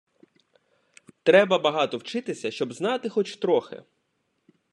Треба багато вчитися, щоб знати хоч трохи